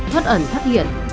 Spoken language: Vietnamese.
thất ẩn thất hiện